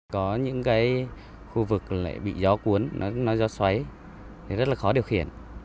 có những cái khu vực lại bị gió cuốn nói gió xoáy thì rất là khó điều khiển